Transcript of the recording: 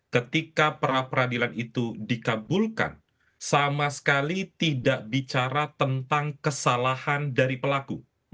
ketika pra peradilan itu dikabulkan sama sekali tidak bicara tentang kesalahan dari pelaku